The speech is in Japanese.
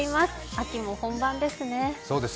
秋も本番ですね。